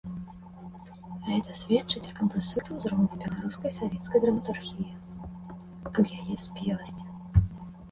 Гэта сведчыць аб высокім узроўні беларускай савецкай драматургіі, аб яе спеласці.